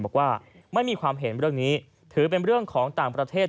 บอกว่าไม่มีความเห็นเรื่องนี้ถือเป็นเรื่องของต่างประเทศ